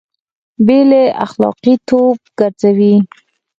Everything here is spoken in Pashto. بې له اخلاقي توب ګرځوي